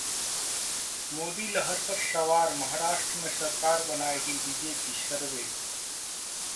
मोदी लहर पर सवार महाराष्ट्र में सरकार बनाएगी बीजेपीः सर्वे